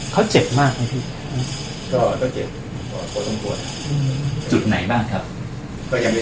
เขาเจ็บมากไหมพี่